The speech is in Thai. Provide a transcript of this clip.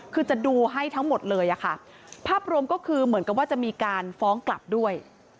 คือจะดูให้ทั้งหมดเลยอะค่ะภาพรวมก็คือเหมือนกับว่าจะมีการฟ้องกลับด้วย